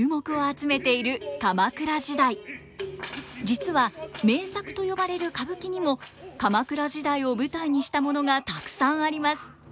実は名作と呼ばれる歌舞伎にも鎌倉時代を舞台にしたものがたくさんあります。